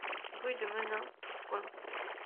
Rue de Menin, Tourcoing